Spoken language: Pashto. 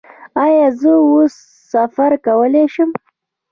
ایا زه اوس سفر کولی شم؟